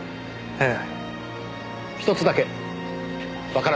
ええ。